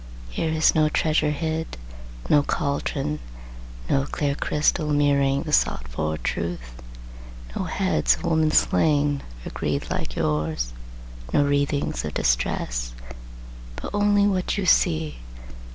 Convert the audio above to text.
... Here is no treasure hid, No cauldron, no clear crystal mirroring The sought for truth, no heads of women slain For greed like yours, no writhings of distress, But only what you see.